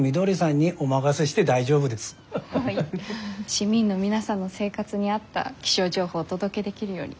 市民の皆さんの生活に合った気象情報をお届けできるように努めます。